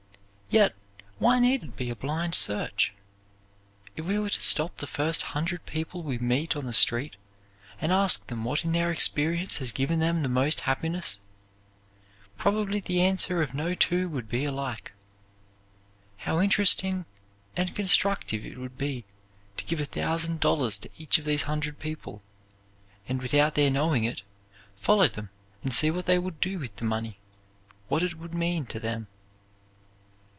Yet why need it be a blind search? If we were to stop the first hundred people we meet on the street and ask them what in their experience has given them the most happiness, probably the answer of no two would be alike. How interesting and instructive it would be to give a thousand dollars to each of these hundred people, and without their knowing it, follow them and see what they would do with the money, what it would mean to them.